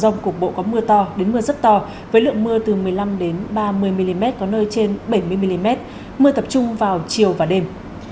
trong cục bộ có mưa to đến mưa rất to với lượng mưa từ một mươi năm ba mươi mm có nơi trên bảy mươi mm mưa tập trung vào chiều và đêm